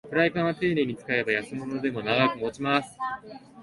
フライパンはていねいに使えば安物でも長く持ちます